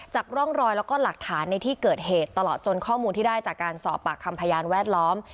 ร่องรอยแล้วก็หลักฐานในที่เกิดเหตุตลอดจนข้อมูลที่ได้จากการสอบปากคำพยานแวดล้อม